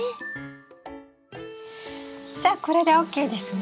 さあこれでＯＫですね。